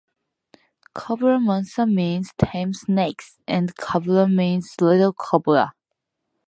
Cobra Mansa means tame snake, and Cobrinha means little cobra.